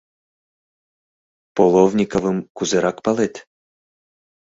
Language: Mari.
— Половниковым кузерак палет?